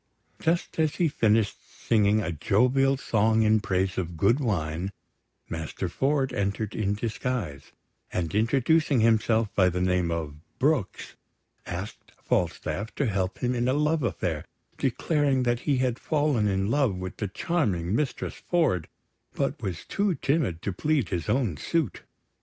Just as he finished singing a jovial song in praise of good wine, Master Ford entered in disguise; and introducing himself by the name of Brooks, asked Falstaff to help him in a love affair, declaring that he had fallen in love with the charming Mistress Ford, but was too timid to plead his own suit.